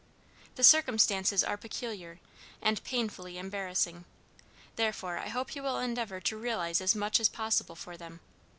"The circumstances are peculiar, and painfully embarrassing; therefore I hope you will endeavor to realize as much as possible for them.